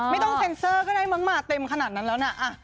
ไม่ต้องเซ็นเซอร์ก็ได้มั้งมาเต็มขนาดนั้นแล้วนะ